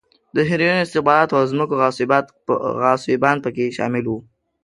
د هیروینو، استخباراتو او ځمکو غاصبان په کې شامل و.